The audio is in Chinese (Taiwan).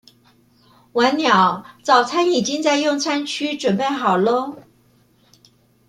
晚鳥早餐已經在用餐區準備好囉